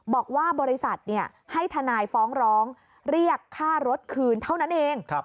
บอกว่าบริษัทให้ทนายฟ้องร้องเรียกค่ารถคืนเท่านั้นเอง